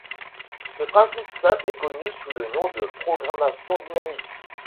Ce principe simple est connu sous le nom de programmation dynamique.